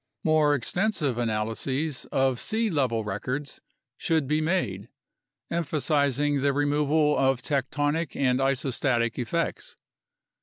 More extensive analyses of sea level records should be made, empha sizing the removal of tectonic and isostatic effects.